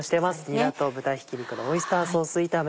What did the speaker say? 「にらと豚ひき肉のオイスターソース炒め」